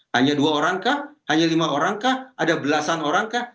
hanya dua orang kah hanya lima orang kah ada belasan orang kah